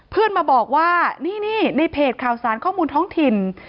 เพื่อนมาบอกว่านี่ในเพจข่าวสารข้อมูลท้องถิ่น